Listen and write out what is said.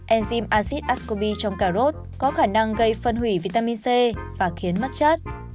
enzim acid ascobi trong cà rốt có khả năng gây phân hủy vitamin c và khiến mất chất